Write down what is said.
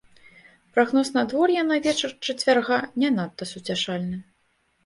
Прагноз надвор'я на вечар чацвярга не надта суцяшальны.